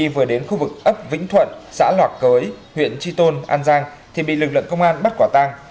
vừa đến khu vực ấp vĩnh thuận xã lạc quới huyện tri tôn an giang thì bị lực lượng công an bắt quả thang